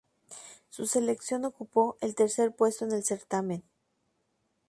Su selección ocupó el tercer puesto en el certamen.